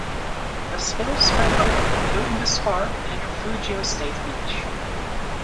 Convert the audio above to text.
The spill spread over including this park and Refugio State Beach.